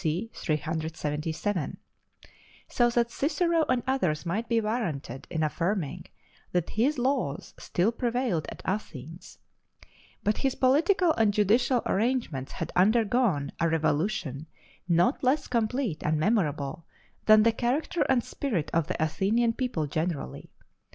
C. 377 so that Cicero and others might be warranted in affirming that his laws still prevailed at Athens: but his political and judicial arrangements had undergone a revolution not less complete and memorable than the character and spirit of the Athenian people generally.